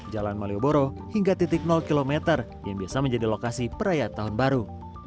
jalan malioboro hingga titik km yang biasa menjadi lokasi perayaan tahun baru